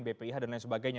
bpih dan lain sebagainya